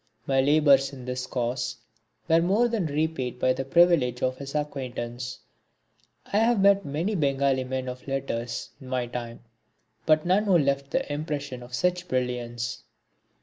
My labours in this cause were more than repaid by the privilege of his acquaintance. I have met many Bengali men of letters in my time but none who left the impression of such brilliance.